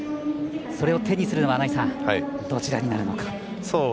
それを手にするのはどちらになるのか。